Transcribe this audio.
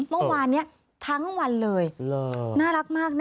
เมื่อวานนี้ทั้งวันเลยน่ารักมาก